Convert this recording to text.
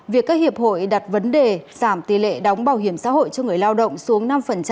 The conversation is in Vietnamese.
việc các hiệp hội đặt vấn đề giảm tỷ lệ đóng bảo hiểm xã hội cho người lao động xuống năm